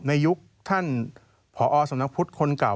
ยุคท่านผอสำนักพุทธคนเก่า